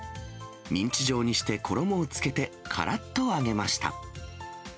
ミンチ状にして、衣をつけて、からっと揚げました。